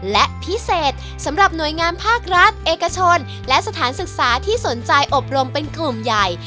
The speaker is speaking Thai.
และพิเศษสำหรับหน่วยงานภาครัฐเอกชนและสถานศึกษาที่สนใจอบรมเป็นกลุ่มใหญ่